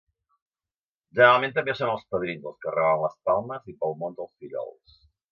Generalment també són els padrins els que regalen les palmes i palmons als fillols.